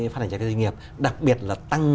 phát hành trái phiếu doanh nghiệp đặc biệt là tăng